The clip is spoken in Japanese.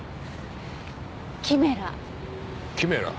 キメラ。